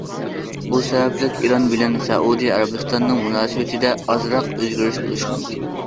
بۇ سەۋەبلىك ئىران بىلەن سەئۇدى ئەرەبىستاننىڭ مۇناسىۋىتىدە ئازراق ئۆزگىرىش بولۇشى مۇمكىن.